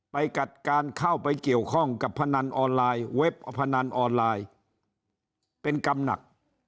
กัดการเข้าไปเกี่ยวข้องกับพนันออนไลน์เว็บพนันออนไลน์เป็นกรรมหนัก